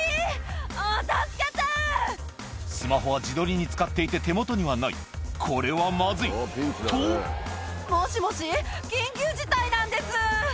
スマホは自撮りに使っていて手元にはないこれはまずい！と「もしもし緊急事態なんです！」